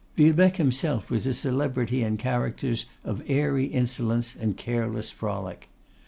Villebecque himself was a celebrity in characters of airy insolence and careless frolic.